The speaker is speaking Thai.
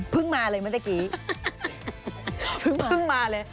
เพิ่งมาเลยเหมือนเมื่อเมื่อกี้